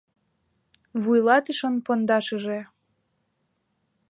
ВУЙЛАТЫШЫН ПОНДАШЫЖЕ